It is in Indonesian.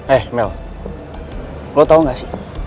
eh mel lo tau gak sih